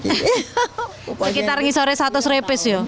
sekitar ngisore seratus repes ya